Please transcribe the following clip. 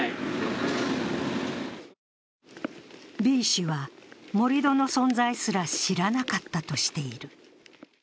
Ｂ氏は、盛り土の存在すら知らなかったとしている。